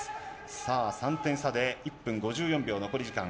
さあ、３点差で１分５４秒、残り時間。